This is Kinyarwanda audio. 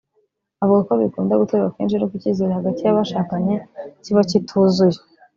avuga ko bikunda guterwa akenshi n’uko icyizere hagati y’abashakanye kiba kituzuye